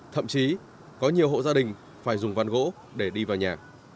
thậm chí có nhiều hộ gia đình phải dùng văn gỗ để đi vào nhà